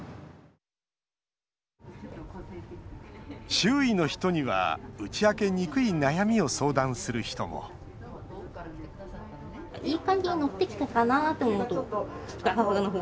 周囲の人には打ち明けにくい悩みを相談する人もはい。